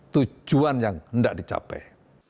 tujuan yang tidak dicapai